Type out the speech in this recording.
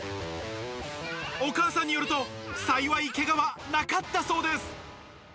お母さんによると、幸い、けがはなかったそうです。